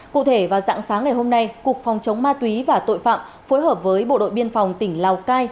cụ thể vào dạng sáng ngày hôm nay cục phòng chống ma túy và tội phạm phối hợp với bộ đội biên phòng tỉnh lào cai